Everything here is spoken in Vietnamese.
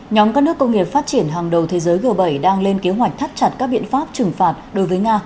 nhóm các nước công nghiệp phát triển hàng đầu thế giới g bảy đang lên kế hoạch thắt chặt các biện pháp trừng phạt đối với nga